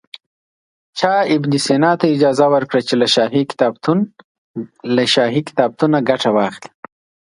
چا ابن سینا ته اجازه ورکړه چې له شاهي کتابتون ګټه واخلي.